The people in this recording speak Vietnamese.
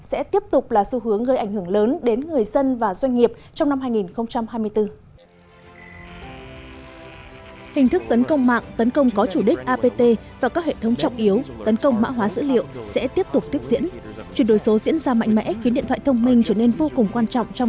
sẽ tiếp tục là xu hướng gây ảnh hưởng lớn